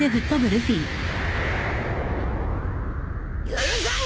許さん！